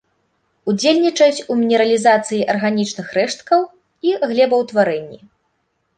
Удзельнічаюць у мінералізацыі арганічных рэшткаў і глебаўтварэнні.